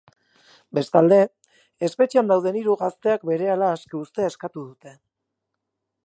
Bestalde, espetxean dauden hiru gazteak berehala aske uztea eskatu dute.